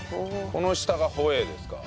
この下がホエイですか？